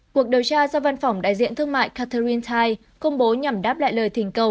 cuộc điều tra do văn phòng đại diện thương mại catherine tai công bố nhằm đáp lại lời thình cầu